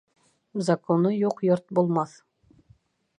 Законы юҡ йорт булмаҫ.